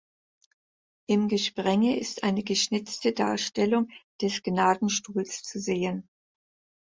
Im Gesprenge ist eine geschnitzte Darstellung des Gnadenstuhls zu sehen.